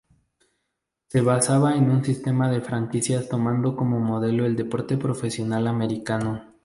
Se basaba en un sistema de franquicias tomando como modelo el deporte profesional americano.